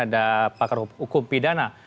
ada pakar hukum pidana